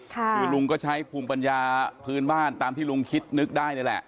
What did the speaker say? คือลุงก็ใช้ภูมิปัญญาพื้นบ้านตามที่ลุงคิดนึกได้นี่แหละ